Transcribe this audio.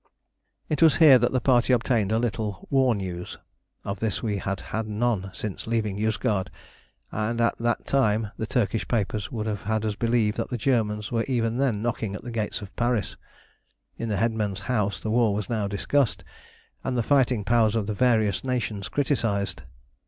It was here that the party obtained a little war news. Of this we had had none since leaving Yozgad, and at that time the Turkish papers would have had us believe that the Germans were even then knocking at the gates of Paris. In the headman's house the war was now discussed, and the fighting powers of the various nations criticised.